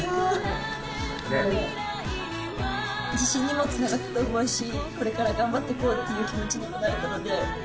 自信にもつながったと思うしこれから頑張ってこうっていう気持ちにもなれたので。